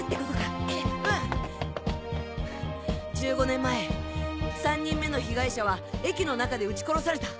１５年前３人目の被害者は駅の中で撃ち殺された。